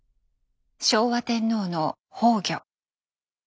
昭和天皇の崩御。